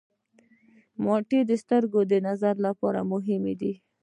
مالټه د سترګو د نظر لپاره مهمه ده.